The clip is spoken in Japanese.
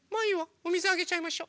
おみずあげちゃいましょ。